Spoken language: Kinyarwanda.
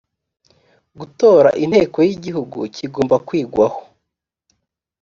gutora inteko y igihugu kigomba kwigwaho